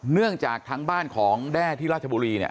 เนื่องจากทางบ้านของแด้ที่ราชบุรีเนี่ย